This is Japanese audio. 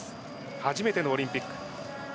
初めてのオリンピック。